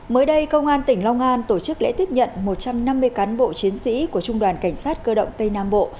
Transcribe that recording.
mới đây công an tỉnh long an tổ chức lễ tiếp nhận một trăm năm mươi cán bộ chiến sĩ của trung đoàn cảnh sát cơ động tây nam bộ